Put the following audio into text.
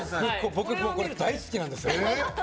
僕、これ大好きなんですよ。